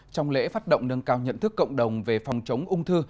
trong lễ phát động nâng cao nhận thức cộng đồng về phòng chống ung thư